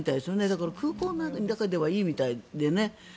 だから、空港の中ではいいみたいでね。